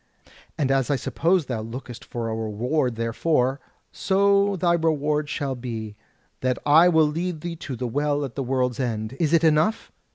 And as I suppose thou lookest for a reward therefor, so thy reward shall be, that I will lead thee to the Well at the World's End. Is it enough?"